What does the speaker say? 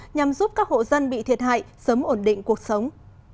nhằm giúp các hộ dân bị thiệt hại sớm ổn định cuộc sống